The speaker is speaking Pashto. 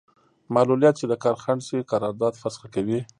معلولیت چې د کار خنډ شي قرارداد فسخه کوي.